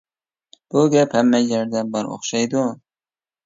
بۇ گەپ ھەممە يەردە بار ئوخشايدۇ.